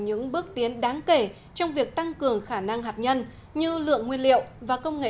những bước tiến đáng kể trong việc tăng cường khả năng hạt nhân như lượng nguyên liệu và công nghệ